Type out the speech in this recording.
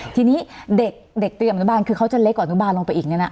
ทีนี้เด็กเตรียมอนุบาลคือเขาจะเล็กกว่าอนุบาลลงไปอีกเนี่ยนะ